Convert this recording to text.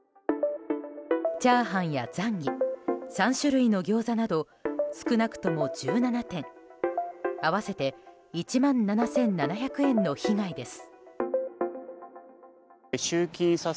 チャーハンやザンギ３種類のギョーザなど少なくとも１７点、合わせて１万７７００円の被害です。